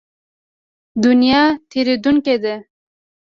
دنیا تېرېدونکې ده.